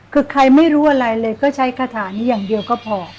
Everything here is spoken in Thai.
คือใครไม่รู้อะไรเลยก็ใช้คาถานี้อย่างเดียวก็พอ